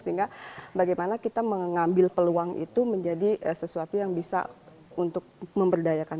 sehingga bagaimana kita mengambil peluang itu menjadi sesuatu yang bisa untuk memberdayakan